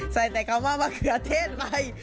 ใส่แต่คำว่ามะเขือเทศไป